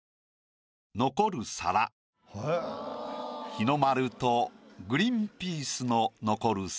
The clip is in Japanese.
「日の丸とグリンピースの残る皿」。